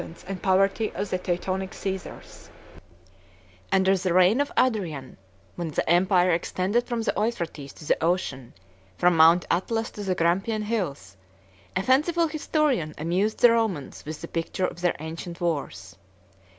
] Under the reign of Adrian, when the empire extended from the Euphrates to the ocean, from Mount Atlas to the Grampian hills, a fanciful historian 62 amused the Romans with the picture of their ancient wars.